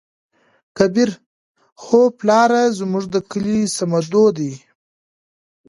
کبير : هو پلاره زموږ د کلي صمدو دى.